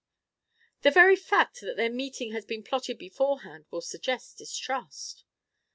"The very fact that their meeting has been plotted beforehand will suggest distrust."